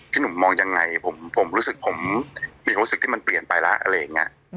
พี่หนุ่มมองยังไงผมมีความรู้สึกที่มันเปลี่ยนไปแล้ว